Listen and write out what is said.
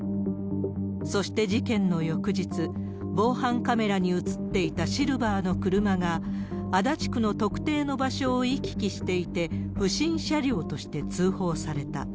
そして事件の翌日、防犯カメラに映っていたシルバーの車が、足立区の特定の場所を行き来していて、不審車両として通報された。